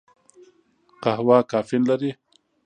قهوه کافین لري